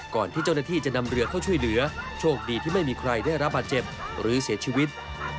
ก่อนที่เจ้าหน้าที่จะนำเรือเข้าช่วยเหลือโชคดีที่ไม่มีใครได้รับบาดเจ็บหรือเสียชีวิต